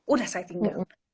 udah saya tinggal